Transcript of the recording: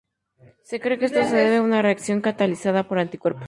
Se cree que esto se debe a una reacción catalizada por anticuerpos.